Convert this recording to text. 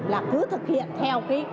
là cứ thực hiện theo